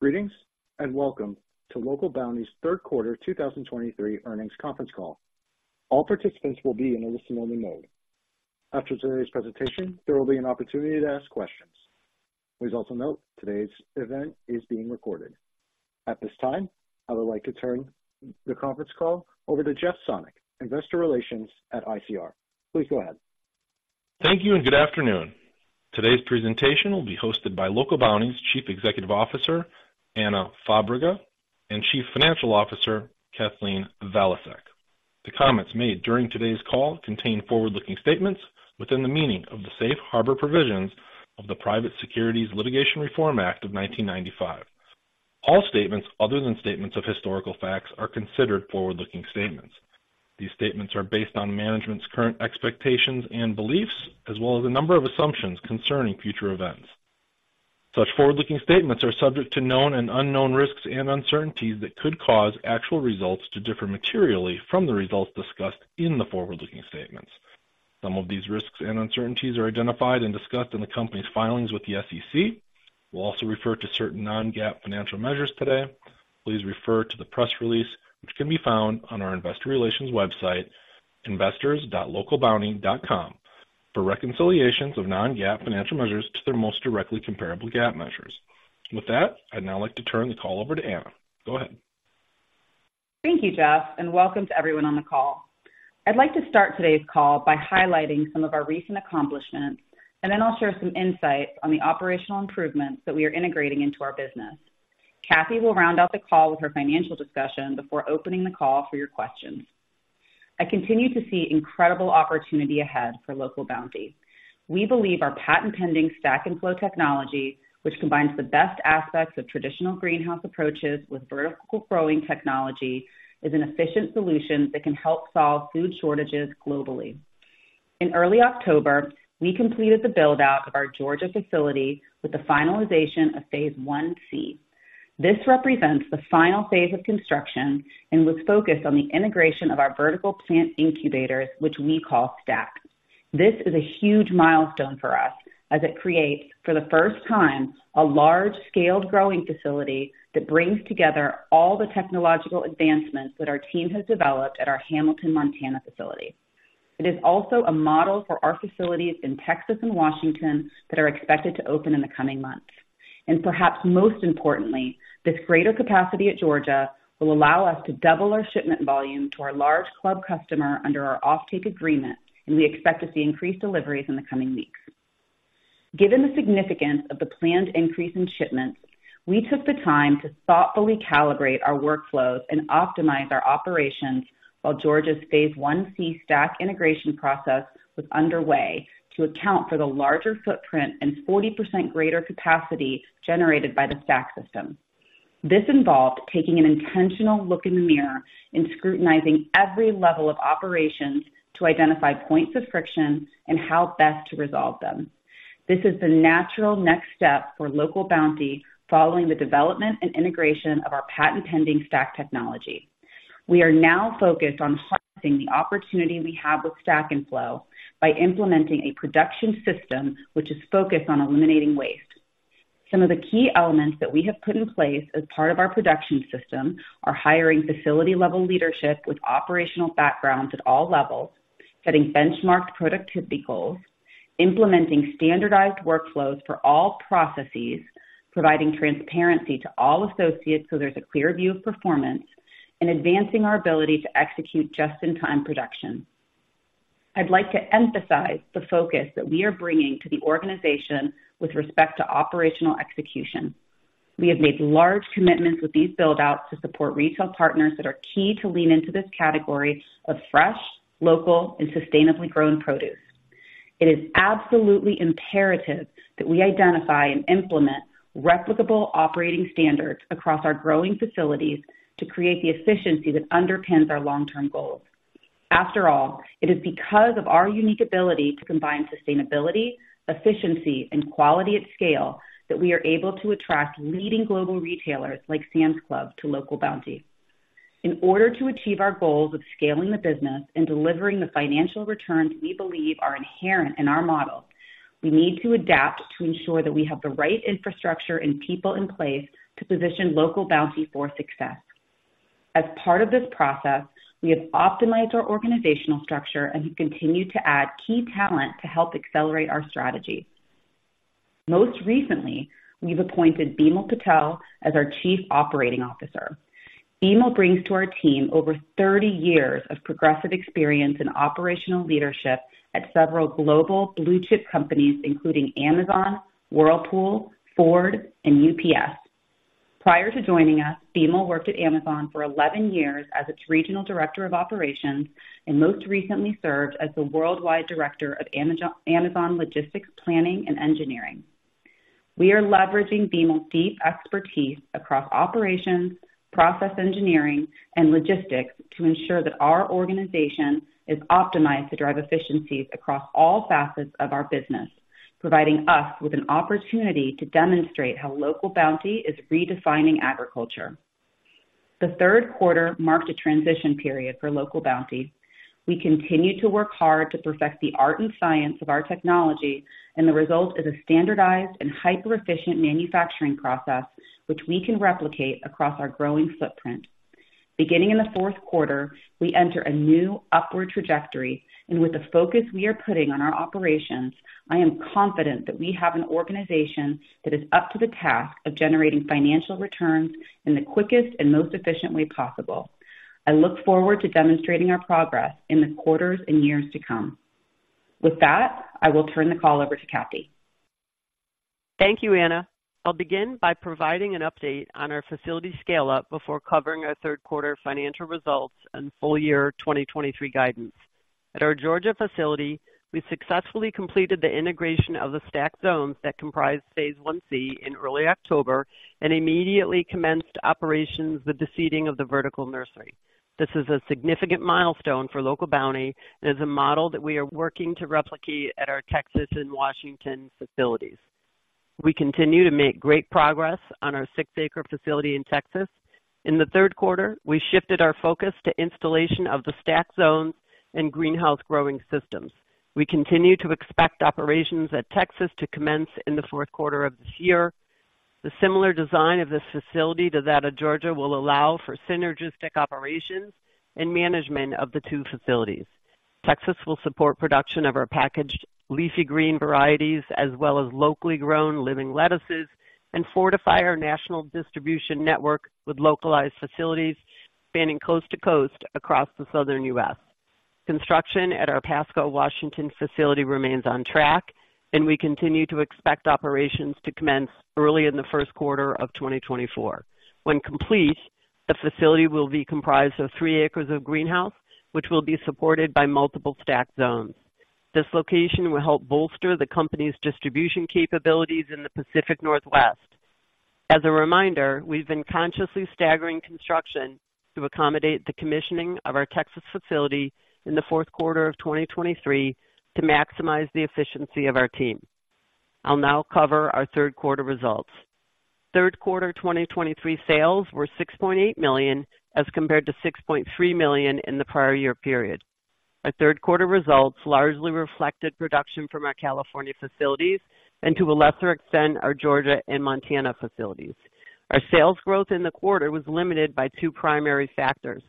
Greetings, and welcome to Local Bounti's Q3 2023 Earnings Conference Call. All participants will be in a listen-only mode. After today's presentation, there will be an opportunity to ask questions. Please also note, today's event is being recorded. At this time, I would like to turn the conference call over to Jeff Sonnek, Investor Relations at ICR. Please go ahead. Thank you, and good afternoon. Today's presentation will be hosted by Local Bounti's Chief Executive Officer, Anna Fabrega, and Chief Financial Officer, Kathleen Valiasek. The comments made during today's call contain forward-looking statements within the meaning of the Safe Harbor Provisions of the Private Securities Litigation Reform Act of 1995. All statements other than statements of historical facts are considered forward-looking statements. These statements are based on management's current expectations and beliefs, as well as a number of assumptions concerning future events. Such forward-looking statements are subject to known and unknown risks and uncertainties that could cause actual results to differ materially from the results discussed in the forward-looking statements. Some of these risks and uncertainties are identified and discussed in the company's filings with the SEC. We'll also refer to certain non-GAAP financial measures today. Please refer to the press release, which can be found on our investor relations website, investors.localbounti.com, for reconciliations of non-GAAP financial measures to their most directly comparable GAAP measures. With that, I'd now like to turn the call over to Anna. Go ahead. Thank you, Jeff, and welcome to everyone on the call. I'd like to start today's call by highlighting some of our recent accomplishments, and then I'll share some insights on the operational improvements that we are integrating into our business. Kathy will round out the call with her financial discussion before opening the call for your questions. I continue to see incredible opportunity ahead for Local Bounti. We believe our patent-pending Stack and Flow technology, which combines the best aspects of traditional greenhouse approaches with vertical growing technology, is an efficient solution that can help solve food shortages globally. In early October, we completed the build-out of our Georgia facility with the finalization of Phase 1C. This represents the final phase of construction and was focused on the integration of our vertical plant incubators, which we call Stack. This is a huge milestone for us as it creates, for the first time, a large-scale growing facility that brings together all the technological advancements that our team has developed at our Hamilton, Montana, facility. It is also a model for our facilities in Texas and Washington that are expected to open in the coming months. Perhaps most importantly, this greater capacity at Georgia will allow us to double our shipment volume to our large club customer under our offtake agreement, and we expect to see increased deliveries in the coming weeks. Given the significance of the planned increase in shipments, we took the time to thoughtfully calibrate our workflows and optimize our operations while Georgia's Phase 1C Stack integration process was underway to account for the larger footprint and 40% greater capacity generated by the Stack system. This involved taking an intentional look in the mirror and scrutinizing every level of operations to identify points of friction and how best to resolve them. This is the natural next step for Local Bounti following the development and integration of our patent-pending Stack technology. We are now focused on harvesting the opportunity we have with Stack and Flow by implementing a production system which is focused on eliminating waste. Some of the key elements that we have put in place as part of our production system are hiring facility-level leadership with operational backgrounds at all levels, setting benchmarked productivity goals, implementing standardized workflows for all processes, providing transparency to all associates so there's a clear view of performance, and advancing our ability to execute just-in-time production. I'd like to emphasize the focus that we are bringing to the organization with respect to operational execution. We have made large commitments with these build-outs to support retail partners that are key to lean into this category of fresh, local, and sustainably grown produce. It is absolutely imperative that we identify and implement replicable operating standards across our growing facilities to create the efficiency that underpins our long-term goals. After all, it is because of our unique ability to combine sustainability, efficiency, and quality at scale that we are able to attract leading global retailers like Sam's Club to Local Bounti. In order to achieve our goals of scaling the business and delivering the financial returns we believe are inherent in our model, we need to adapt to ensure that we have the right infrastructure and people in place to position Local Bounti for success. As part of this process, we have optimized our organizational structure and have continued to add key talent to help accelerate our strategy. Most recently, we've appointed Bimal Patel as our Chief Operating Officer. Bimal brings to our team over 30 years of progressive experience in operational leadership at several global blue-chip companies, including Amazon, Whirlpool, Ford, and UPS. Prior to joining us, Bimal worked at Amazon for 11 years as its Regional Director of Operations, and most recently served as the Worldwide Director of Amazon Logistics, Planning, and Engineering. We are leveraging Bimal's deep expertise across operations, process engineering, and logistics to ensure that our organization is optimized to drive efficiencies across all facets of our business, providing us with an opportunity to demonstrate how Local Bounti is redefining agriculture. The Q3 marked a transition period for Local Bounti. We continued to work hard to perfect the art and science of our technology, and the result is a standardized and hyper-efficient manufacturing process which we can replicate across our growing footprint. Beginning in the Q4, we enter a new upward trajectory, and with the focus we are putting on our operations, I am confident that we have an organization that is up to the task of generating financial returns in the quickest and most efficient way possible. I look forward to demonstrating our progress in the quarters and years to come. With that, I will turn the call over to Kathy. Thank you, Anna. I'll begin by providing an update on our facility scale-up before covering our Q3 financial results and full year 2023 guidance. At our Georgia facility, we successfully completed the integration of the Stack zones that comprised Phase 1C in early October and immediately commenced operations with the seeding of the vertical nursery. This is a significant milestone for Local Bounti and is a model that we are working to replicate at our Texas and Washington facilities. We continue to make great progress on our 6-acre facility in Texas. In the Q3, we shifted our focus to installation of the Stack zones and greenhouse growing systems. We continue to expect operations at Texas to commence in the Q4 of this year. The similar design of this facility to that of Georgia will allow for synergistic operations and management of the two facilities. Texas will support production of our packaged leafy green varieties, as well as locally grown living lettuces, and fortify our national distribution network with localized facilities spanning coast to coast across the Southern U.S. Construction at our Pasco, Washington facility remains on track, and we continue to expect operations to commence early in the Q1 of 2024. When complete, the facility will be comprised of three acres of greenhouse, which will be supported by multiple Stack zones. This location will help bolster the company's distribution capabilities in the Pacific Northwest. As a reminder, we've been consciously staggering construction to accommodate the commissioning of our Texas facility in the Q4 of 2023 to maximize the efficiency of our team. I'll now cover our Q3 results. Q3 2023 sales were $6.8 million, as compared to $6.3 million in the prior year period. Our Q3 results largely reflected production from our California facilities and to a lesser extent, our Georgia and Montana facilities. Our sales growth in the quarter was limited by two primary factors.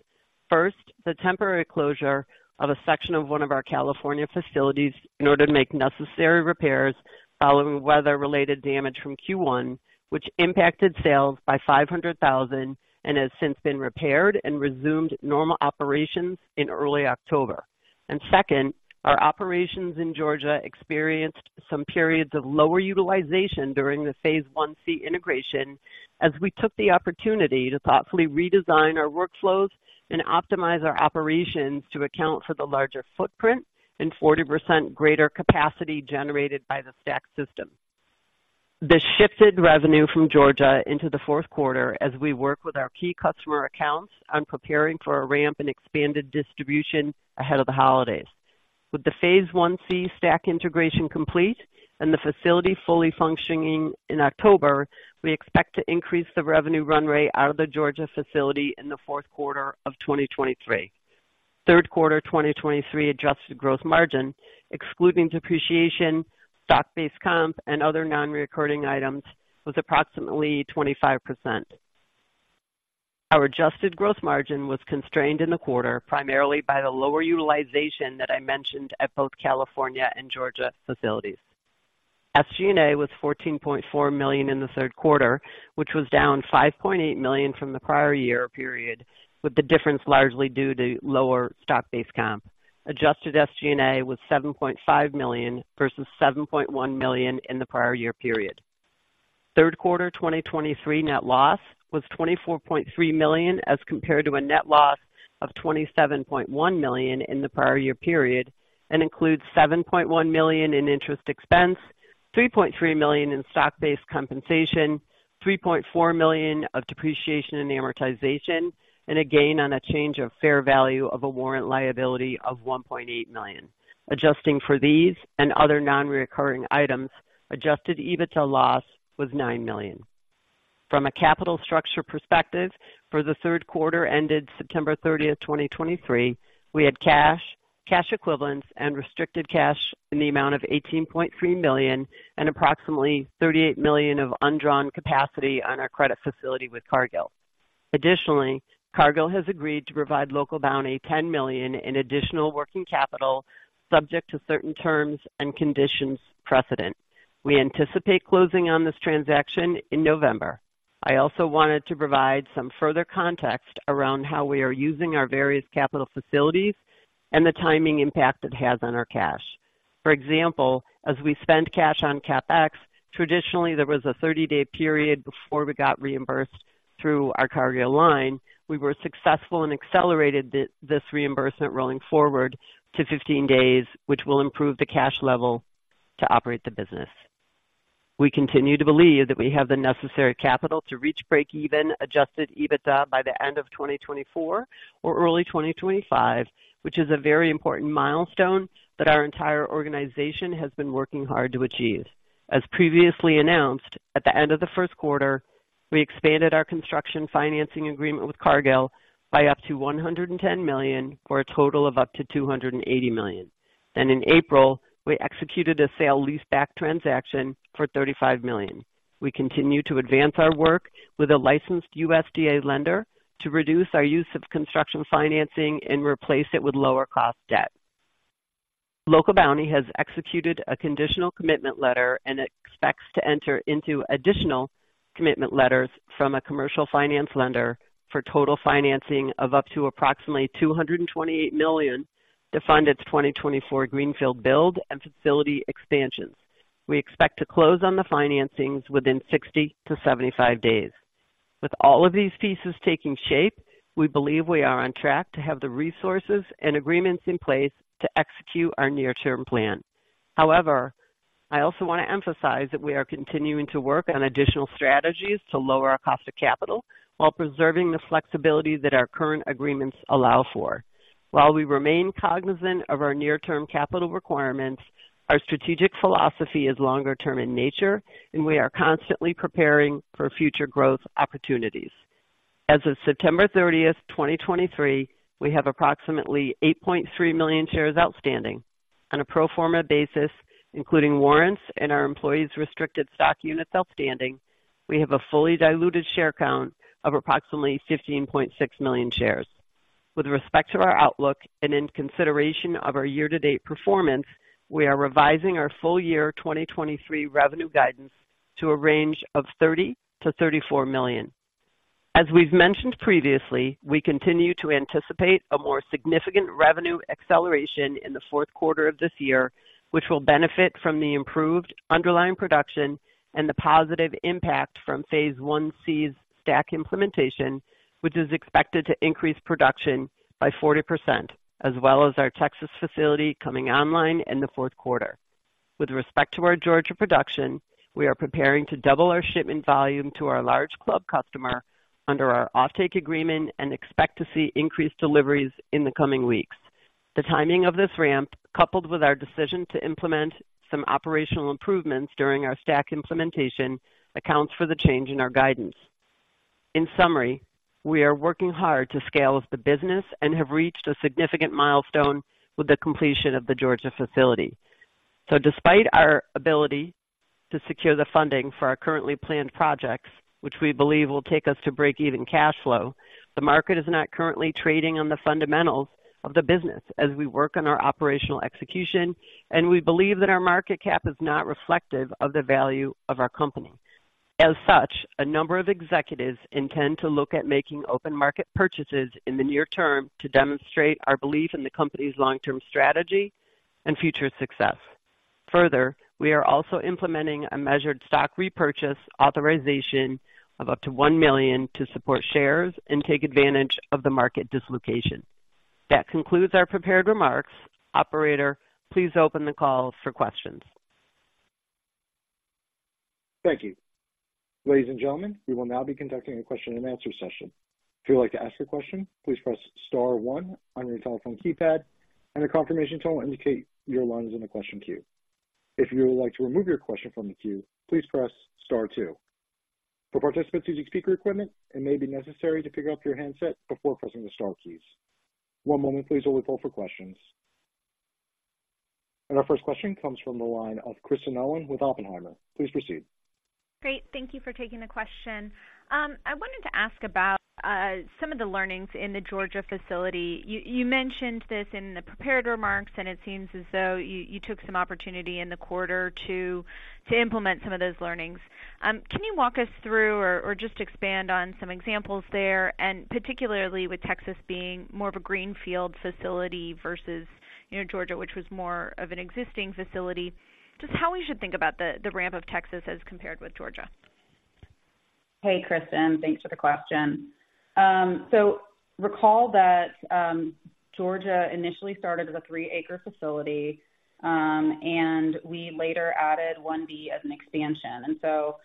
First, the temporary closure of a section of one of our California facilities in order to make necessary repairs following weather-related damage from Q1, which impacted sales by $500,000 and has since been repaired and resumed normal operations in early October. And second, our operations in Georgia experienced some periods of lower utilization during the Phase 1C integration, as we took the opportunity to thoughtfully redesign our workflows and optimize our operations to account for the larger footprint and 40% greater capacity generated by the Stack system. This shifted revenue from Georgia into the Q4 as we work with our key customer accounts on preparing for a ramp in expanded distribution ahead of the holidays. With the Phase 1C Stack integration complete and the facility fully functioning in October, we expect to increase the revenue run rate out of the Georgia facility in the Q4 of 2023. Q3 2023 adjusted gross margin, excluding depreciation, stock-based comp, and other non-recurring items, was approximately 25%. Our adjusted gross margin was constrained in the quarter, primarily by the lower utilization that I mentioned at both California and Georgia facilities. SG&A was $14.4 million in the Q3, which was down $5.8 million from the prior year period, with the difference largely due to lower stock-based comp. Adjusted SG&A was $7.5 million versus $7.1 million in the prior year period. Q3 2023 net loss was $24.3 million, as compared to a net loss of $27.1 million in the prior year period, and includes $7.1 million in interest expense, $3.3 million in stock-based compensation, $3.4 million of depreciation and amortization, and a gain on a change of fair value of a warrant liability of $1.8 million. Adjusting for these and other non-recurring items, adjusted EBITDA loss was $9 million. From a capital structure perspective, for the Q3 ended September 30, 2023, we had cash, cash equivalents, and restricted cash in the amount of $18.3 million and approximately $38 million of undrawn capacity on our credit facility with Cargill. Additionally, Cargill has agreed to provide Local Bounti $10 million in additional working capital, subject to certain terms and conditions precedent. We anticipate closing on this transaction in November. I also wanted to provide some further context around how we are using our various capital facilities and the timing impact it has on our cash. For example, as we spent cash on CapEx, traditionally there was a 30-day period before we got reimbursed through our Cargill line. We were successful and accelerated this reimbursement rolling forward to 15 days, which will improve the cash level to operate the business. We continue to believe that we have the necessary capital to reach break-even Adjusted EBITDA by the end of 2024 or early 2025, which is a very important milestone that our entire organization has been working hard to achieve. As previously announced, at the end of Q1, we expanded our construction financing agreement with Cargill by up to $110 million, for a total of up to $280 million. Then in April, we executed a sale leaseback transaction for $35 million. We continue to advance our work with a licensed USDA lender to reduce our use of construction financing and replace it with lower cost debt. Local Bounti has executed a conditional commitment letter and expects to enter into additional commitment letters from a commercial finance lender for total financing of up to approximately $228 million to fund its 2024 greenfield build and facility expansions. We expect to close on the financings within 60-75 days. With all of these pieces taking shape, we believe we are on track to have the resources and agreements in place to execute our near-term plan. However, I also want to emphasize that we are continuing to work on additional strategies to lower our cost of capital while preserving the flexibility that our current agreements allow for. While we remain cognizant of our near-term capital requirements, our strategic philosophy is longer term in nature, and we are constantly preparing for future growth opportunities. As of September 30th, 2023, we have approximately 8.3 million shares outstanding. On a pro forma basis, including warrants and our employees restricted stock units outstanding, we have a fully diluted share count of approximately 15.6 million shares. With respect to our outlook and in consideration of our year-to-date performance, we are revising our full year 2023 revenue guidance to a range of $30 million-$34 million. As we've mentioned previously, we continue to anticipate a more significant revenue acceleration in the Q4 of this year, which will benefit from the improved underlying production and the positive impact from Phase 1C's Stack implementation, which is expected to increase production by 40%, as well as our Texas facility coming online in the Q4. With respect to our Georgia production, we are preparing to double our shipment volume to our large club customer under our offtake agreement and expect to see increased deliveries in the coming weeks. The timing of this ramp, coupled with our decision to implement some operational improvements during our Stack implementation, accounts for the change in our guidance. In summary, we are working hard to scale up the business and have reached a significant milestone with the completion of the Georgia facility. So despite our ability to secure the funding for our currently planned projects, which we believe will take us to break even cash flow, the market is not currently trading on the fundamentals of the business as we work on our operational execution, and we believe that our market cap is not reflective of the value of our company. As such, a number of executives intend to look at making open market purchases in the near term to demonstrate our belief in the company's long-term strategy and future success. Further, we are also implementing a measured stock repurchase authorization of up to 1 million shares and take advantage of the market dislocation. That concludes our prepared remarks. Operator, please open the call for questions. Thank you. Ladies and gentlemen, we will now be conducting a question and answer session. If you would like to ask a question, please press star one on your telephone keypad and a confirmation tone will indicate your line is in the question queue. If you would like to remove your question from the queue, please press star two. For participants using speaker equipment, it may be necessary to pick up your handset before pressing the star keys. One moment please, while we call for questions. Our first question comes from the line of Kristen Owen with Oppenheimer. Please proceed. Great. Thank you for taking the question. I wanted to ask about some of the learnings in the Georgia facility. You mentioned this in the prepared remarks, and it seems as though you took some opportunity in the quarter to implement some of those learnings. Can you walk us through or just expand on some examples there, and particularly with Texas being more of a greenfield facility versus, you know, Georgia, which was more of an existing facility, just how we should think about the ramp of Texas as compared with Georgia. Hey, Kristen, thanks for the question. So recall that Georgia initially started as a 3-acre facility, and we later added 1B as an expansion. And so,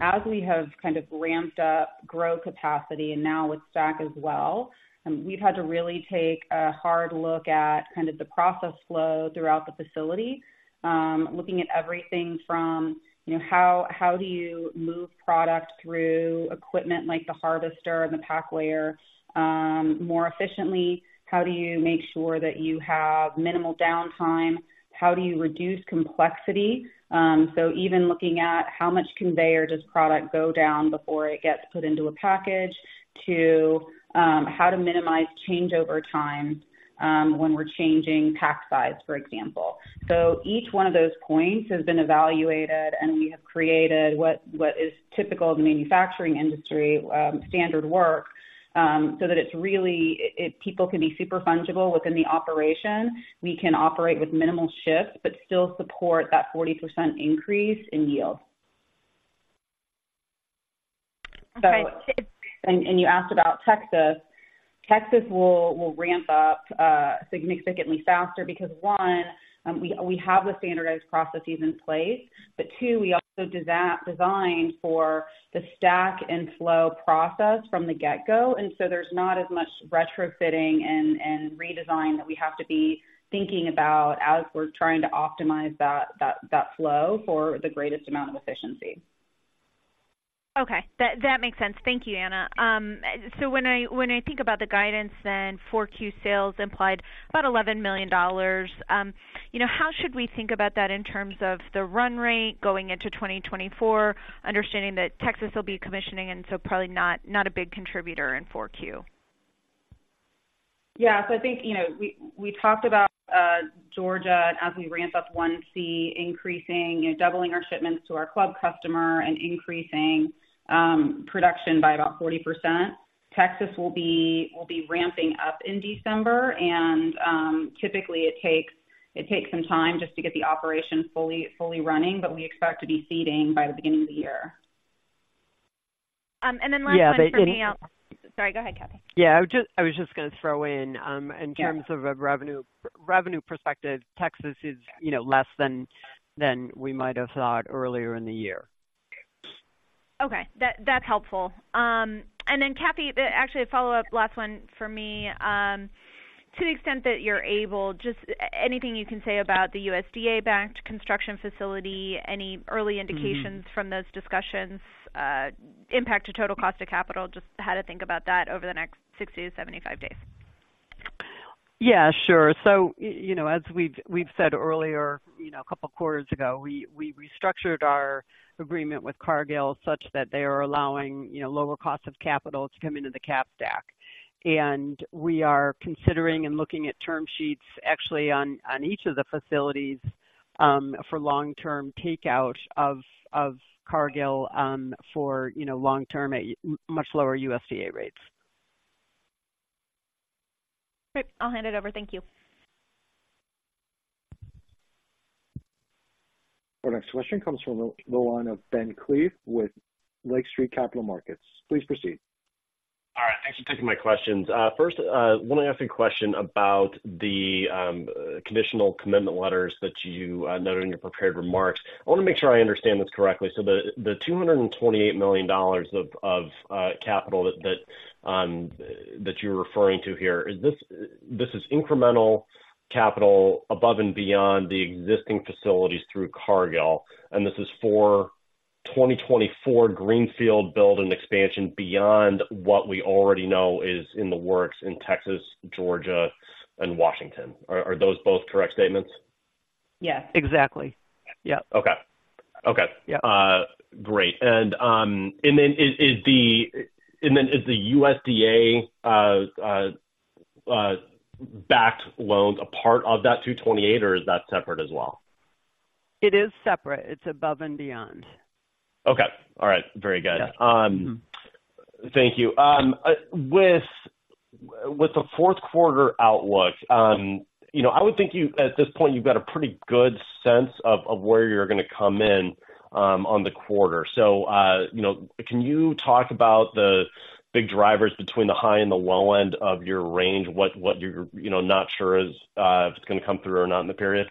as we have kind of ramped up grow capacity and now with Stack as well, we've had to really take a hard look at kind of the process flow throughout the facility. Looking at everything from, you know, how do you move product through equipment like the harvester and the pack layer more efficiently? How do you make sure that you have minimal downtime? How do you reduce complexity? So even looking at how much conveyor does product go down before it gets put into a package, to how to minimize changeover time, when we're changing pack size, for example. So each one of those points has been evaluated, and we have created what, what is typical in the manufacturing industry, standard work, so that it's really, people can be super fungible within the operation. We can operate with minimal shifts, but still support that 40% increase in yield. Okay- You asked about Texas. Texas will ramp up significantly faster because one, we have the standardized processes in place, but two, we also designed for the Stack and Flow process from the get-go, and so there's not as much retrofitting and redesign that we have to be thinking about as we're trying to optimize that flow for the greatest amount of efficiency. ... Okay, that makes sense. Thank you, Anna. So when I think about the guidance, then Q4 sales implied about $11 million. You know, how should we think about that in terms of the run rate going into 2024, understanding that Texas will be commissioning and so probably not a big contributor in Q4? Yeah. So I think, you know, we talked about Georgia as we ramp up 1C, increasing, you know, doubling our shipments to our club customer and increasing production by about 40%. Texas will be ramping up in December, and typically it takes some time just to get the operation fully running, but we expect to be seeding by the beginning of the year. And then last one for me. Yeah, but any- Sorry, go ahead, Kathy. Yeah, I was just, I was just going to throw in, in terms- Yeah... of a revenue perspective, Texas is, you know, less than we might have thought earlier in the year. Okay, that's helpful. And then, Kathy, actually, a follow-up, last one for me. To the extent that you're able, just anything you can say about the USDA-backed construction facility, any early indications- Mm-hmm... from those discussions, impact to total cost of capital? Just how to think about that over the next 60-75 days. Yeah, sure. So, you know, as we've said earlier, you know, a couple of quarters ago, we restructured our agreement with Cargill such that they are allowing, you know, lower cost of capital to come into the cap stack. And we are considering and looking at term sheets, actually on each of the facilities, for long-term takeout of Cargill, for, you know, long-term at much lower USDA rates. Great. I'll hand it over. Thank you. Our next question comes from the line of Ben Klieve with Lake Street Capital Markets. Please proceed. All right, thanks for taking my questions. First, I want to ask a question about the conditional commitment letters that you noted in your prepared remarks. I want to make sure I understand this correctly. So the $228 million of capital that you're referring to here, is this—this is incremental capital above and beyond the existing facilities through Cargill, and this is for 2024 greenfield build and expansion beyond what we already know is in the works in Texas, Georgia, and Washington. Are those both correct statements? Yes. Exactly. Yep. Okay. Okay. Yeah. Great. And then is the USDA backed loans a part of that $228, or is that separate as well? It is separate. It's above and beyond. Okay. All right. Very good. Yeah. Mm-hmm. Thank you. With the Q4 outlook, you know, I would think you at this point, you've got a pretty good sense of where you're going to come in on the quarter. So, you know, can you talk about the big drivers between the high and the low end of your range? What you're, you know, not sure is if it's going to come through or not in the period.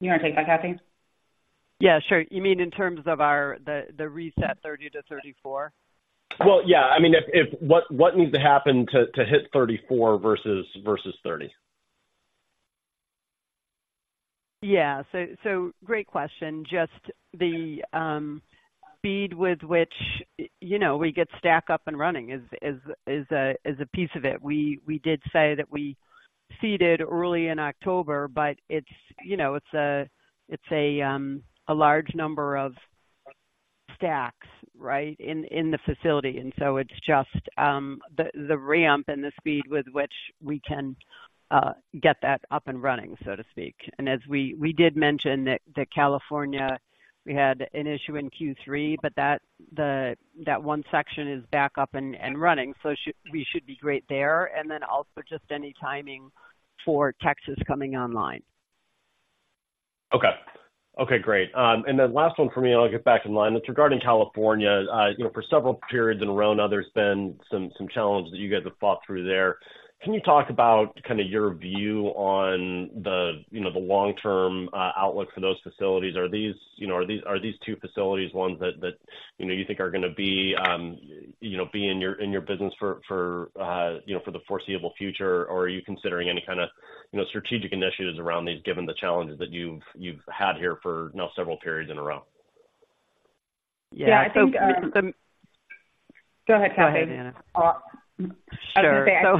You want to take that, Kathy? Yeah, sure. You mean in terms of our... the reset, 30-34? Well, yeah. I mean, if what needs to happen to hit 34 versus 30? Yeah. So great question. Just the speed with which, you know, we get Stack up and running is a piece of it. We did say that we seeded early in October, but it's, you know, it's a large number of Stacks, right, in the facility. And so it's just the ramp and the speed with which we can get that up and running, so to speak. And as we did mention that California, we had an issue in Q3, but that one section is back up and running, so we should be great there. And then also just any timing for Texas coming online. Okay. Okay, great. And then last one for me, I'll get back in line. It's regarding California. You know, for several periods in a row now, there's been some challenges that you guys have fought through there. Can you talk about kind of your view on the, you know, the long-term outlook for those facilities? Are these, you know, are these two facilities ones that you think are going to be, you know, be in your business for, you know, for the foreseeable future? Or are you considering any kind of, you know, strategic initiatives around these, given the challenges that you've had here for now, several periods in a row? Yeah, I think, Yeah, I think the... Go ahead, Kathy. Go ahead, Anna. Uh. Sure. Go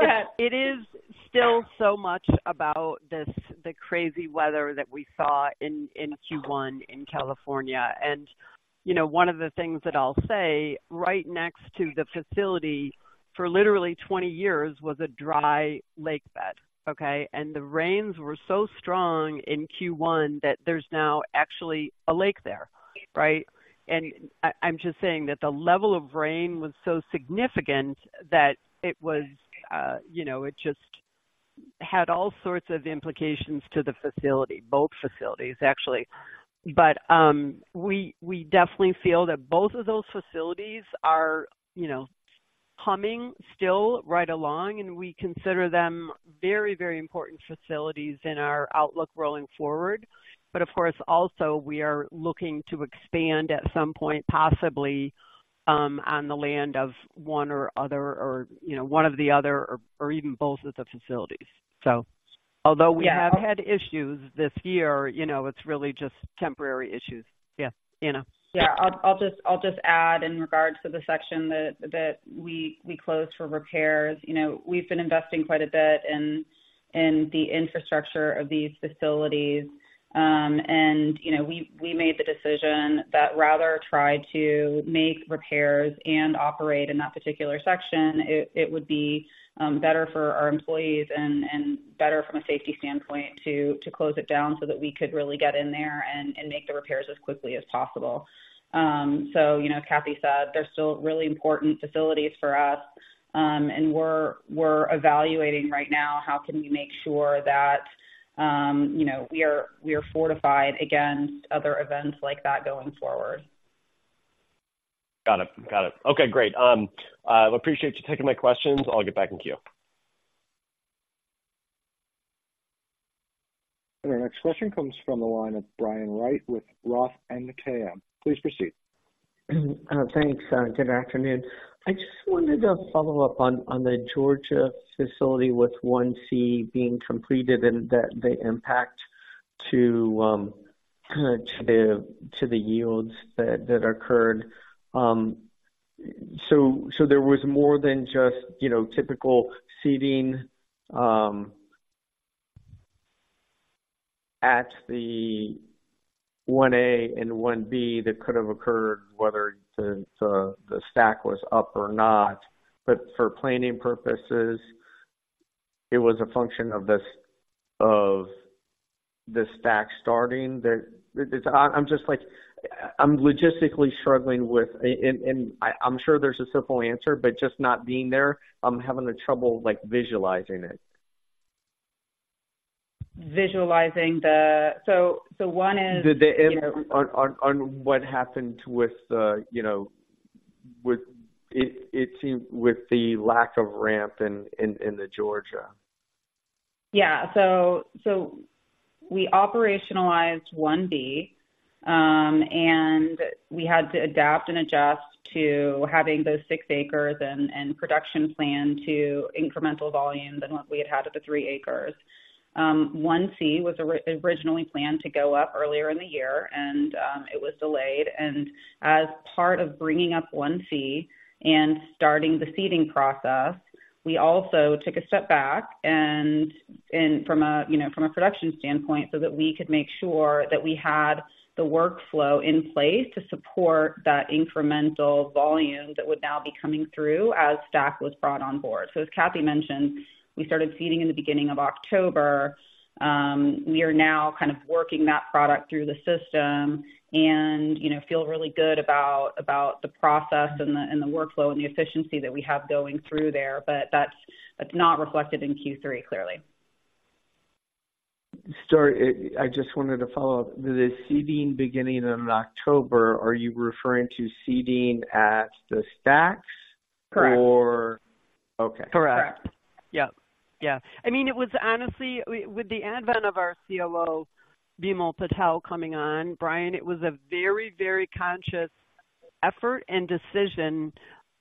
ahead. It is still so much about this, the crazy weather that we saw in Q1 in California. And, you know, one of the things that I'll say, right next to the facility for literally 20 years was a dry lake bed, okay? And the rains were so strong in Q1 that there's now actually a lake there, right? And I, I'm just saying that the level of rain was so significant that it was, you know, it just had all sorts of implications to the facility, both facilities, actually. But we definitely feel that both of those facilities are, you know, humming still right along, and we consider them very, very important facilities in our outlook rolling forward. Of course, also, we are looking to expand at some point, possibly, on the land of one or other or, you know, one of the other or, or even both of the facilities, so. Although we have had issues this year, you know, it's really just temporary issues. Yeah, Anna? Yeah, I'll just add in regards to the section that we closed for repairs. You know, we've been investing quite a bit in the infrastructure of these facilities. And you know, we made the decision that rather try to make repairs and operate in that particular section, it would be better for our employees and better from a safety standpoint to close it down so that we could really get in there and make the repairs as quickly as possible. So, you know, Kathy said they're still really important facilities for us. And we're evaluating right now how we can make sure that, you know, we are fortified against other events like that going forward? Got it. Got it. Okay, great. I appreciate you taking my questions. I'll get back in queue. Our next question comes from the line of Brian Wright with Roth MKM. Please proceed. Thanks, good afternoon. I just wanted to follow up on the Georgia facility with Phase 1C being completed and the impact to the yields that occurred. So, there was more than just, you know, typical seeding at the Phase 1A and Phase 1B that could have occurred, whether the Stack was up or not. But for planning purposes, it was a function of this of the Stack starting the... I'm just like, I'm logistically struggling with, and I'm sure there's a simple answer, but just not being there, I'm having a trouble, like, visualizing it. So, one is- On what happened with the, you know, with it, it seemed with the lack of ramp in Georgia. Yeah. So, so we operationalized 1B, and we had to adapt and adjust to having those 6 acres and, and production plan to incremental volumes than what we had had at the 3 acres. 1C was originally planned to go up earlier in the year, and it was delayed. And as part of bringing up 1C and starting the seeding process, we also took a step back and, and from a, you know, from a production standpoint, so that we could make sure that we had the workflow in place to support that incremental volume that would now be coming through as Stack was brought on board. So as Kathy mentioned, we started seeding in the beginning of October. We are now kind of working that product through the system and, you know, feel really good about the process and the workflow and the efficiency that we have going through there. But that's not reflected in Q3 clearly. Sorry, I just wanted to follow up. The seeding beginning in October, are you referring to seeding at the Stacks? Correct. Or... Okay. Correct. Yep. Yeah. I mean, it was honestly, with the advent of our COO, Bimal Patel, coming on, Brian, it was a very, very conscious effort and decision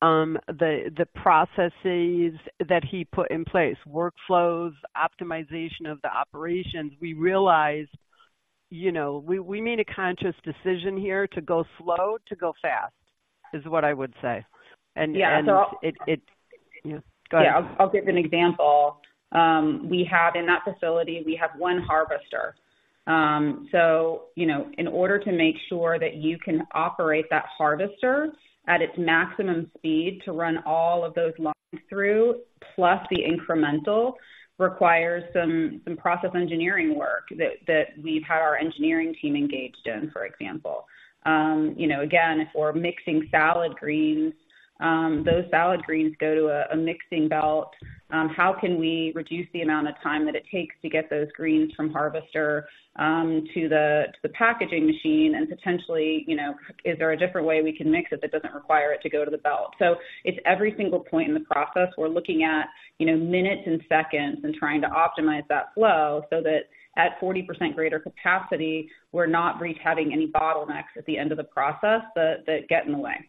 on the processes that he put in place, workflows, optimization of the operations. We realized, you know, we made a conscious decision here to go slow, to go fast, is what I would say. And- Yeah. Go ahead. Yeah, I'll give an example. We have in that facility, we have one harvester. So, you know, in order to make sure that you can operate that harvester at its maximum speed to run all of those lines through, plus the incremental, requires some process engineering work that we've had our engineering team engaged in, for example. You know, again, if we're mixing salad greens, those salad greens go to a mixing belt. How can we reduce the amount of time that it takes to get those greens from harvester to the packaging machine? And potentially, you know, is there a different way we can mix it that doesn't require it to go to the belt? So it's every single point in the process we're looking at, you know, minutes and seconds and trying to optimize that flow so that at 40% greater capacity, we're not having any bottlenecks at the end of the process that get in the way.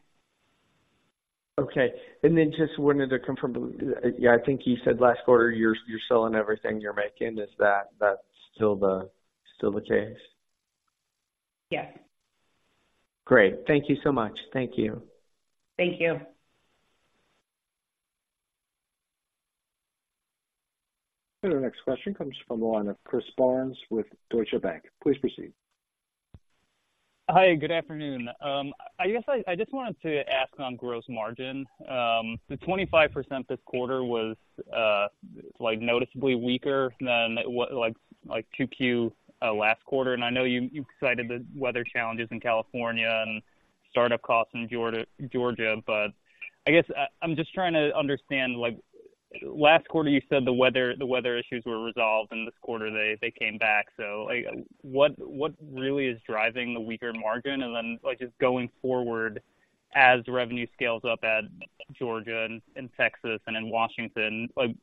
Okay, and then just wanted to confirm, yeah, I think you said last quarter, you're selling everything you're making. Is that still the case? Yes. Great. Thank you so much. Thank you. Thank you. Our next question comes from the line of Chris Barnes with Deutsche Bank. Please proceed. Hi, good afternoon. I guess I just wanted to ask on gross margin. The 25% this quarter was, like, noticeably weaker than what, like, 2Q last quarter. And I know you cited the weather challenges in California and startup costs in Georgia, but I guess I'm just trying to understand, like, last quarter, you said the weather issues were resolved, and this quarter they came back. So like, what really is driving the weaker margin? And then, like, just going forward as revenue scales up at Georgia and in Texas and in Washington, like,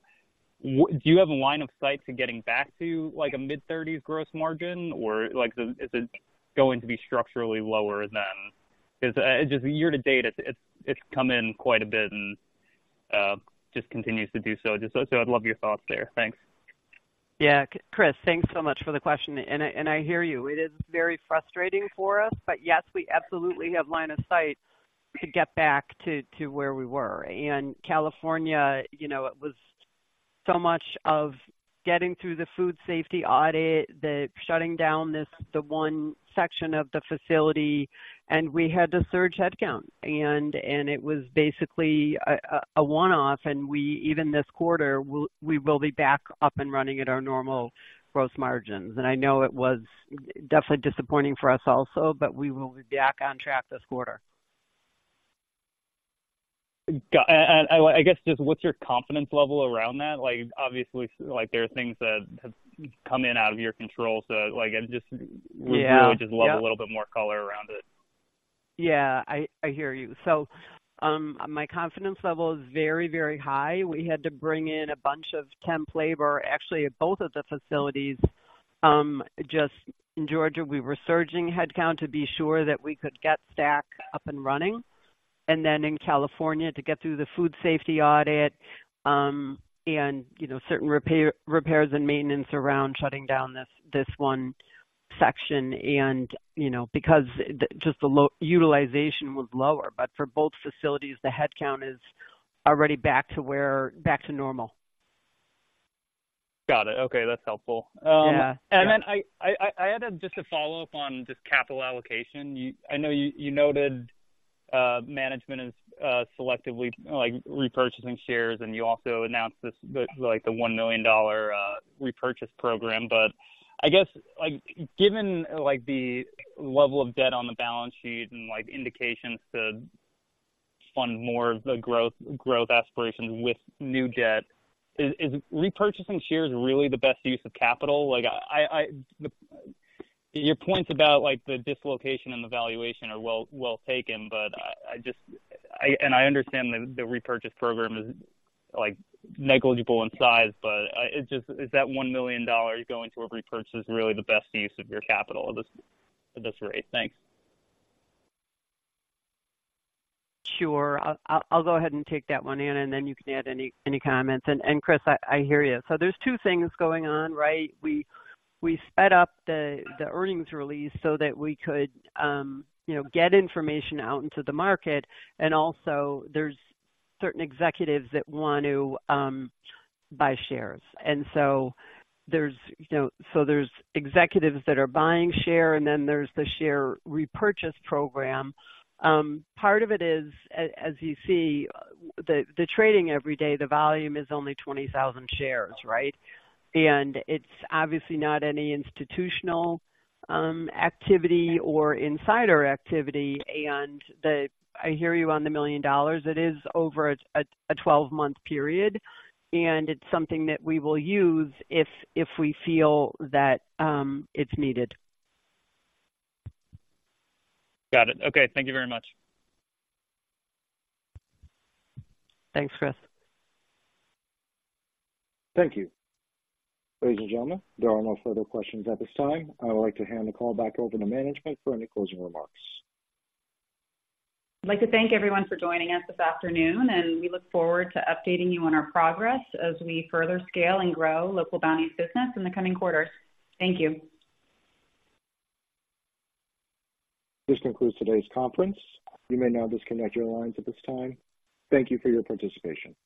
do you have a line of sight to getting back to, like, a mid-30s gross margin? Or like, is it going to be structurally lower than-... 'Cause, just year-to-date, it's come in quite a bit and just continues to do so. Just so I'd love your thoughts there. Thanks. Yeah. Chris, thanks so much for the question, and I hear you. It is very frustrating for us, but yes, we absolutely have line of sight to get back to where we were. In California, you know, it was so much of getting through the food safety audit, the shutting down this one section of the facility, and we had to surge headcount. And it was basically a one-off, and we even this quarter, we will be back up and running at our normal gross margins. And I know it was definitely disappointing for us also, but we will be back on track this quarter. Got it. And I guess, just what's your confidence level around that? Like, obviously, like, there are things that have come in out of your control. So like, I just- Yeah. Would really just love a little bit more color around it. Yeah. I hear you. So, my confidence level is very, very high. We had to bring in a bunch of temp labor, actually, at both of the facilities. Just in Georgia, we were surging headcount to be sure that we could get Stack up and running, and then in California, to get through the food safety audit, and, you know, certain repair, repairs and maintenance around, shutting down this, this one section and, you know, because the, just the utilization was lower. But for both facilities, the headcount is already back to where back to normal. Got it. Okay, that's helpful. Yeah. And then I had just a follow-up on just capital allocation. You—I know you noted management is selectively, like, repurchasing shares, and you also announced this, the, like, the $1 million repurchase program. But I guess, like, given, like, the level of debt on the balance sheet and, like, indications to fund more of the growth aspirations with new debt, is repurchasing shares really the best use of capital? Like I, the... Your points about, like, the dislocation and the valuation are well taken, but I just—I... I understand that the repurchase program is, like, negligible in size, but it just, is that $1 million going to a repurchase really the best use of your capital at this rate? Thanks. Sure. I'll go ahead and take that one, Anna, and then you can add any comments. And Chris, I hear you. So there's two things going on, right? We sped up the earnings release so that we could, you know, get information out into the market, and also there's certain executives that want to buy shares. And so there's, you know, so there's executives that are buying share, and then there's the share repurchase program. Part of it is, as you see, the trading every day, the volume is only 20,000 shares, right? And it's obviously not any institutional activity or insider activity. And I hear you on the $1 million. It is over a 12-month period, and it's something that we will use if we feel that it's needed. Got it. Okay. Thank you very much. Thanks, Chris. Thank you. Ladies and gentlemen, there are no further questions at this time. I would like to hand the call back over to management for any closing remarks. I'd like to thank everyone for joining us this afternoon, and we look forward to updating you on our progress as we further scale and grow Local Bounti's business in the coming quarters. Thank you. This concludes today's conference. You may now disconnect your lines at this time. Thank you for your participation.